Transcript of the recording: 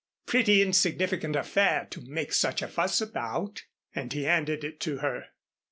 Pretty insignificant affair to make such a fuss about," and he handed it to her.